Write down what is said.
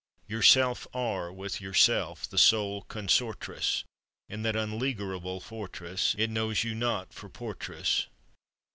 Yourself are with yourself the sole consortress In that unleaguerable fortress; It knows you not for portress.